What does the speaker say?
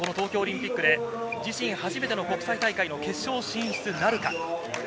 その中で東京オリンピックで自身初めての国際大会の決勝進出なるか。